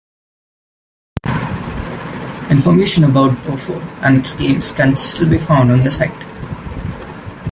Information about Boffo and its games can still be found on the site.